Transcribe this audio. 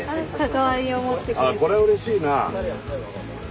これはうれしいな。